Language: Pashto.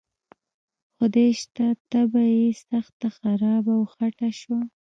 خدای شته طبعه یې سخته خرابه او خټه شوه.